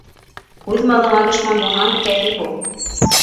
Үҙ малыңа дошман булһаң, кәфил бул.